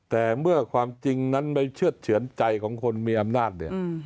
แต่เมื่อความจริงนั้นไม่เชื่อดเฉือนใจของคนมีอำนาจเนี่ย